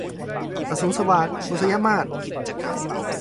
อสูรสวาท - บุษยมาส